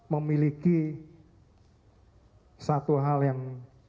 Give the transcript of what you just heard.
memiliki satu hal yang